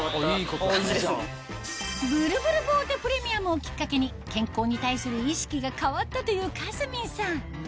ブルブルボーテプレミアムをきっかけに健康に対する意識が変わったというかすみんさん